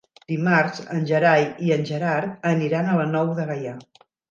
Dimarts en Gerai i en Gerard aniran a la Nou de Gaià.